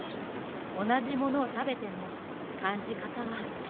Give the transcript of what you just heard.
おなじものをたべてもかんじかたはちがうわね。